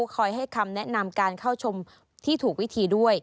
คอยให้คำแนะนำการเข้าชมที่ถูกวิธีด้วย